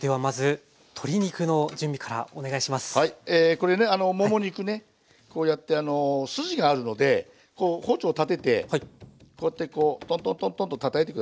これねもも肉ねこうやって筋があるのでこう包丁立ててこうやってこうトントントントンとたたいて下さい。